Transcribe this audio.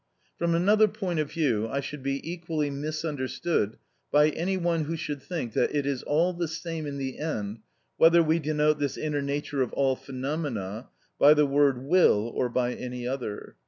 From another point of view I should be equally misunderstood by any one who should think that it is all the same in the end whether we denote this inner nature of all phenomena by the word will or by any other.